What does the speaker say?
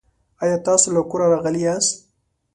آیا تاسو له کوره راغلي یاست؟